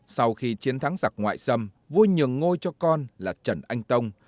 sau khi chiến thắng giặc ngoại xâm vua nhường ngôi cho con là trần anh tông